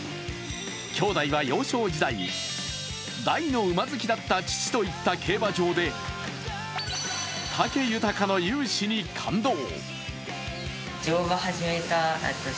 兄弟は幼少時代、大の馬好きだった父と行った競馬場で武豊の雄姿に感動。